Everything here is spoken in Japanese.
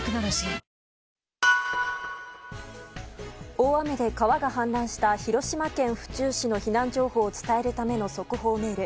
大雨で川が氾濫した広島県府中市の避難情報を伝えるための速報メール。